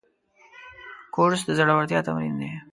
کورس د زړورتیا تمرین دی.